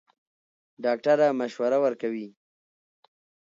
ډاکټره مشوره ورکوي.